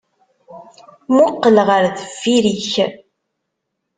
Mmuqqel ɣer deffir-k!